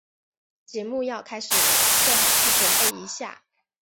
节目要开始了，最好去准备一下。